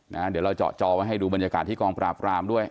เดี๋ยวเราเจาะจอไว้ให้ดูบรรยากาศที่กองปราบรามด้วย